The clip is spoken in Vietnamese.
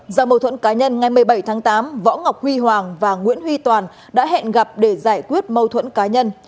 do mâu thuẫn cá nhân ngày một mươi bảy tháng tám võ ngọc huy hoàng và nguyễn huy toàn đã hẹn gặp để giải quyết mâu thuẫn cá nhân